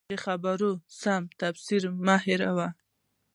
د خبرو سم تفسیر مه هېروه.